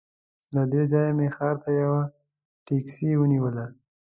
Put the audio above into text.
له دې ځایه مې ښار ته یوه ټکسي ونیوله.